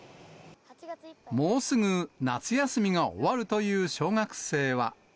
もうすぐ夏休みが終わるという小学生は。